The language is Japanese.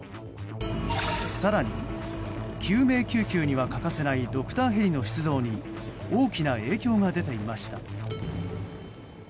更に救命救急には欠かせないドクターヘリの出動に大きな影響が出ていました。